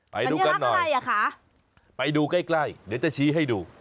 สัญลักษณ์อะไรอ่ะคะไปดูใกล้เดี๋ยวจะชี้ให้ดู